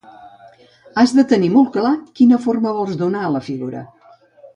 Has de tenir molt clar quina forma vols donar a la figura.